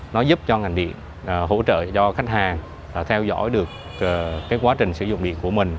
nó giúp cho ngành điện hỗ trợ cho khách hàng theo dõi được cái quá trình sử dụng điện của mình